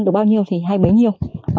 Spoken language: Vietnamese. được bao nhiêu thì hay bấy nhiêu